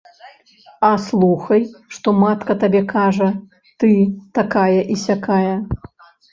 А слухай, што матка табе кажа, ты, такая і сякая!